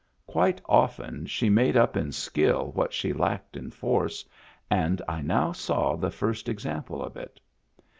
Quite often she made up in skill what she lacked in force and I now saw the first example of it.